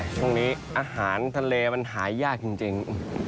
ช่วงนี้อาหารทะเลมันหายากจริง